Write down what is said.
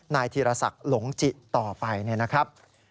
นายธีรศักดิ์หลงจิต่อไปนะครับ